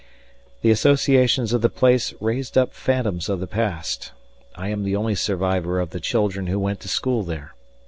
The associations of the place raised up phantoms of the past. I am the only survivor of the children who went to school there.